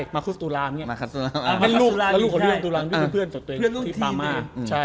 มัคคุสตูระลูกของเดียวตูระซึบเพื่อนในปลามา